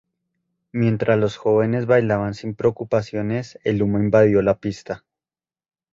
Mientras los jóvenes bailaban sin preocupaciones, el humo invadió la pista.